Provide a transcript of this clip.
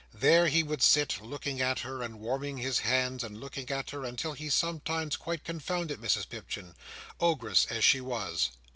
There he would sit, looking at her, and warming his hands, and looking at her, until he sometimes quite confounded Mrs Pipchin, Ogress as she was.